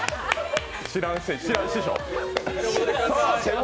知らん師匠。